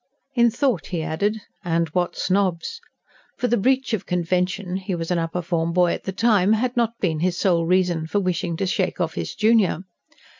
In thought he added: "And what snobs!" For the breach of convention he was an upper form boy at the time had not been his sole reason for wishing to shake off his junior.